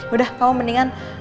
udah kamu mendingan